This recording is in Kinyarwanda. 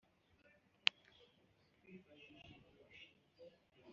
gukoranya gut uzakoranye abantu